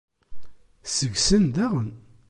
Seg-sen daɣen.